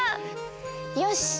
よし！